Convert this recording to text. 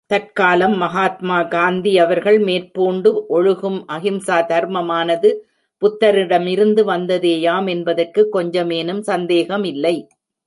தற்காலம் மஹாத்மா காந்தி அவர்கள் மேற்பூண்டு ஒழுகும் அஹிம்சா தர்மமானது, புத்தரிடமிருந்து வந்ததேயாம் என்பதற்கு கொஞ்சமேனும் சந்தேகமில்லை.